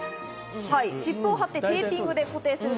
湿布を貼ってテーピングで固定する。